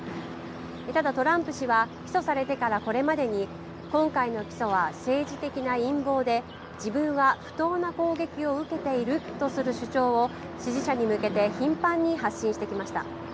ただトランプ氏は起訴されてからこれまでに、今回の起訴は政治的な陰謀で、自分は不当な攻撃を受けているとする主張を、支持者に向けて頻繁に発信してきました。